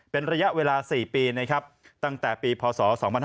เป็นระยะเวลา๔ปีตั้งแต่ปีพศ๒๕๖๐๒๕๖๓